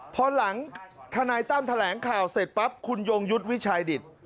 พอหลังทนายตั้มแถลงข่าวเสร็จปั๊บคุณยงยุทธ์วิชัยดิต